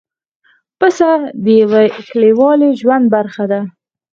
پسه د یوه کلیوالي ژوند برخه ده.